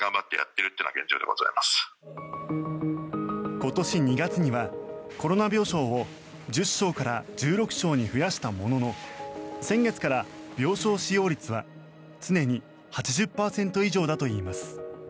今年２月にはコロナ病床を１０床から１６床に増やしたものの先月から病床使用率は常に８０％以上だといいます。